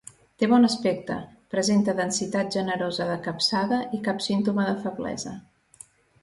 Té bon aspecte: presenta densitat generosa de capçada i cap símptoma de feblesa.